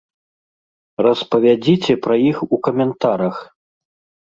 Распавядзіце пра іх у каментарах!